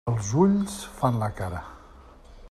Els ulls fan la cara.